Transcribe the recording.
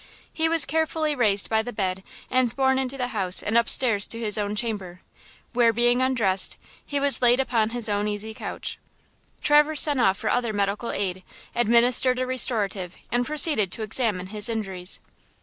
He was carefully raised by the bed and borne into the house and up stairs to his own chamber, where, being undressed, he was laid upon his own easy couch. Traverse sent off for other medical aid, administered a restorative and proceeded to examine his injuries.